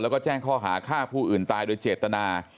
แล้วก็แจ้งข้อหาฆ่าผู้อื่นตายโดยเจตนา